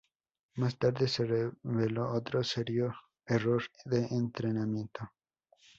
Más tarde se reveló otro serio error de entrenamiento.